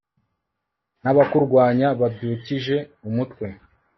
n'abakurwanya babyukije umutwe